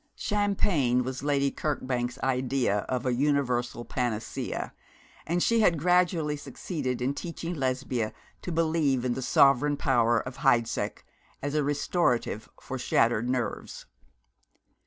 Champagne was Lady Kirkbank's idea of a universal panacea; and she had gradually succeeded in teaching Lesbia to believe in the sovereign power of Heidseck as a restorative for shattered nerves.